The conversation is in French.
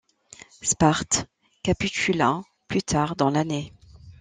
Sparte capitula plus tard dans l'année.